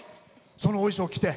そのお衣装を着て。